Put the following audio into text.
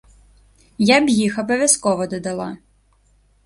Я б іх абавязкова дадала.